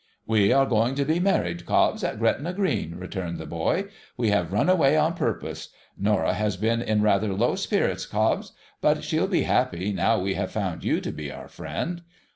' We are going to be married, Cobbs, at Gretna Green,' returned the boy. ' ^\'e have run away on purpose. Norah has been in rather low spirits, Cobbs ; but she'll be happy, now we have found you to be our friend.'